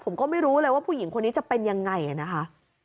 ผมก็ไม่รู้เลยว่าผู้หญิงคนนี้จะเป็นยังไงนะคะ